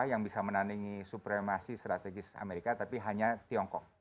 yang bisa menandingi supremasi strategis amerika tapi hanya tiongkok